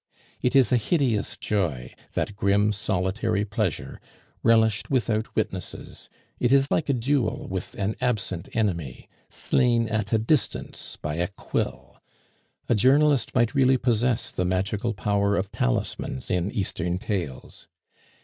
It is a hideous joy, that grim, solitary pleasure, relished without witnesses; it is like a duel with an absent enemy, slain at a distance by a quill; a journalist might really possess the magical power of talismans in Eastern tales.